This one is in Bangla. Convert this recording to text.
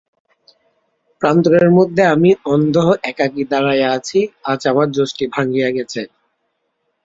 প্রান্তরের মধ্যে আমি অন্ধ একাকী দাঁড়াইয়া আছি, আজ আমার যষ্টি ভাঙিয়া গেছে।